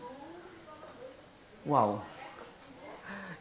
itu sangat santik sekali wajahnya